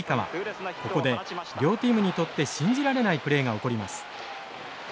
ここで両チームにとって信じられないプレーが起こります。